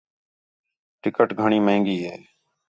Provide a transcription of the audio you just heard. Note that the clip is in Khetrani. ٹکٹ گھݨیں مہنڳی ہے